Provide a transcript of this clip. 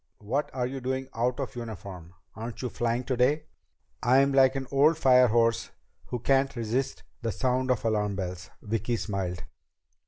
"What are you doing out of uniform? Aren't you flying today?" "I'm like an old firehorse who can't resist the sound of alarm bells." Vicki smiled.